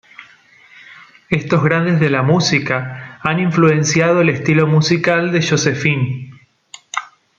Estos grandes de la música, ha influenciado el estilo musical de Josephine.